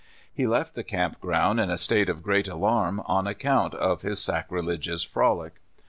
He left the camp ground in a state of great alarm on account of his sacrilegious frol ic.